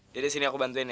dede sini aku bantuin ya